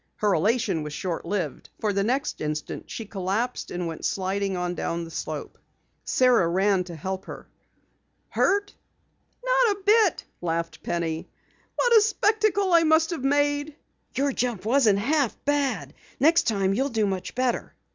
Her elation was short lived, for the next instant she collapsed and went sliding on down the slope. Sara ran to help her up. "Hurt?" "Not a bit," laughed Penny. "What a spectacle I must have made!" "Your jump wasn't half bad. Next time you'll do much better."